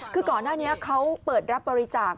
คือก่อนหน้านี้เขาเปิดรับบริจาค